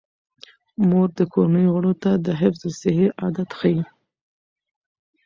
مور د کورنۍ غړو ته د حفظ الصحې عادات ښيي.